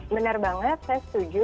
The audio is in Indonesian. benar banget saya setuju